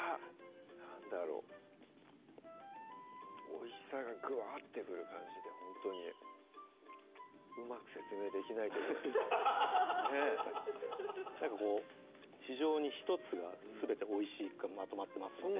なんだろうおいしさがグワッてくる感じでほんとにうまく説明できないけどねぇなんかこう非常に１つがすべておいしくまとまってますよね